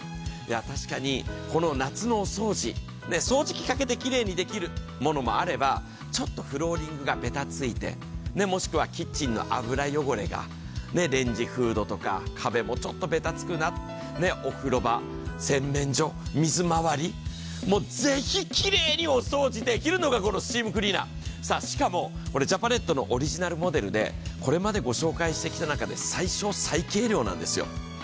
確かにこの夏のお掃除、掃除機かけてきれいにできるものもあればちょっとフローリングがべたついて、もしくはキッチンの油汚れがレンジフードとか壁もちょっとべたつくな、お風呂場、洗面所、水まわり、ぜひ、きれいにお掃除できるのがこのスチームクリーナー、しかもジャパネットのオリジナルモデルでこれまでご紹介してきた中で最小、最軽量なんですよ。